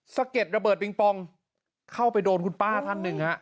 สะเก็ดระเบิดปิงปองเข้าไปโดนคุณป้าท่านหนึ่งฮะ